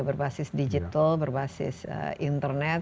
berbasis digital berbasis internet